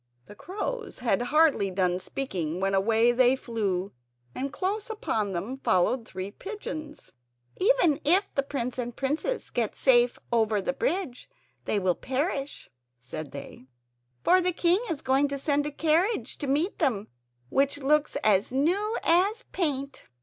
The crows had hardly done speaking when away they flew. And close upon them followed three pigeons. "Even if the prince and princess get safe over the bridge they will perish," said they; "for the king is going to send a carriage to meet them which looks as new as paint.